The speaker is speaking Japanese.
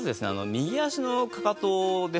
右足のかかとですね。